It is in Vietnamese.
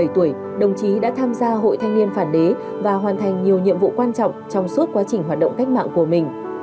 một mươi tuổi đồng chí đã tham gia hội thanh niên phản đế và hoàn thành nhiều nhiệm vụ quan trọng trong suốt quá trình hoạt động cách mạng của mình